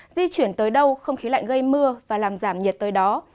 di chuyển tới đâu không khí lạnh gây mưa và làm giảm nhiệt tới đó